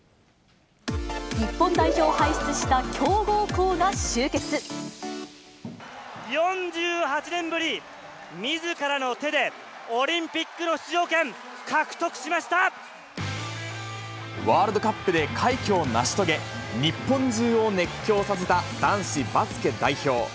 日本代表を輩出した強豪校が４８年ぶり、みずからの手でオリンピックの出場権、ワールドカップで快挙を成し遂げ、日本中を熱狂させた男子バスケ代表。